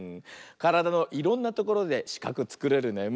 からだのいろんなところでしかくつくれるね。